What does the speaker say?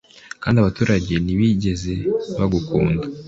Kandi abaturage ntibigeze bagukunda.